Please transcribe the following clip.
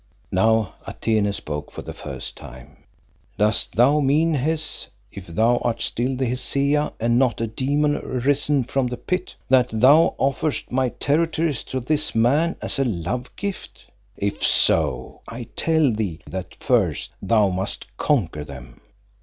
Now Atene spoke for the first time. "Dost thou mean Hes if thou art still the Hesea and not a demon arisen from the Pit that thou offerest my territories to this man as a love gift? If so, I tell thee that first thou must conquer them."